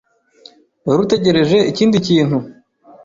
Wari utegereje ikindi kintu?